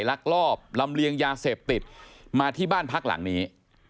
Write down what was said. ลักลอบลำเลียงยาเสพติดมาที่บ้านพักหลังนี้